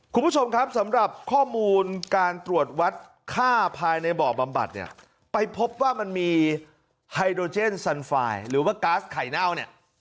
คุณผู้ชมครับสำหรับข้อมูลการตรวจวัดค่าภายในบ่อบำบัดเนี่ยไปพบว่ามันมีไฮโดรเจนซันไฟล์หรือว่าก๊าซไข่เน่าเนี่ย